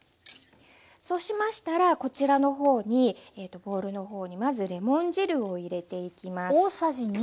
そうしましたらこちらの方にボウルの方にまずレモン汁を入れていきます。